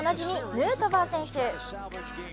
ヌートバー選手。